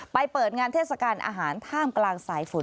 เปิดงานเทศกาลอาหารท่ามกลางสายฝน